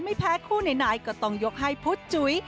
ไม่แพ้คู่ไหนก็ต้องยกให้พุทธจุ๋ย